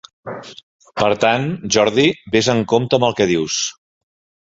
Per tant, Jordi, ves en compte amb el que dius.